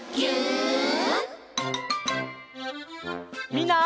みんな。